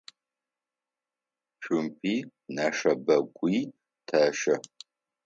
Цумпи нэшэбэгуи тэщэ.